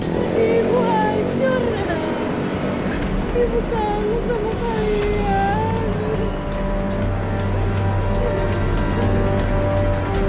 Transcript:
kalian kemana nak ibu hancur